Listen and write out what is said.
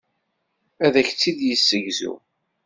Ad ak-tt-id-yessegzu.